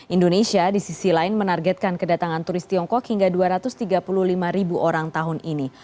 indonesia di sisi lain menargetkan kedatangan turis tiongkok hingga dua ratus tiga puluh lima ribu orang tahun ini